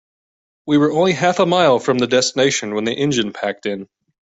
We were only half a mile from the destination when the engine packed in.